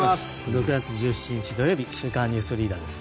６月１７日、土曜日「週刊ニュースリーダー」です。